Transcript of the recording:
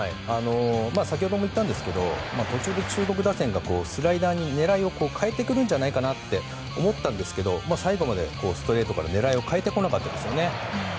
先ほども言ったんですが中国打線がスライダーに狙いを変えてくるんじゃないかと思ったんですが最後までストレートから狙いを変えてこなかったですよね。